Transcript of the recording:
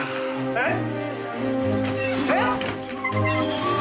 えっ！？